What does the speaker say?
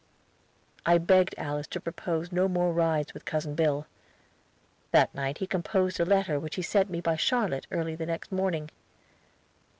I begged Alice to propose no more rides with Cousin Bill. That night he composed a letter which he sent me by Charlotte early the next morning.